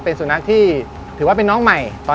เป็นสุนัขที่ถือว่าเป็นน้องใหม่